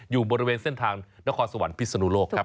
อยู่บริเวณเส้นทางนครสวรรค์พิศนุโลกครับ